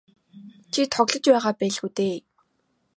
Чи тоглож байгаа байлгүй дээ.